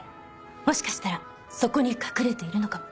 もしかしたらそこに隠れているのかも。